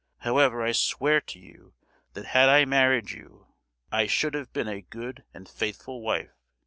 However, I swear to you that had I married you, I should have been a good and faithful wife!